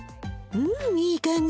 うんいい感じ。